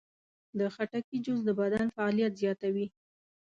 د خټکي جوس د بدن فعالیت زیاتوي.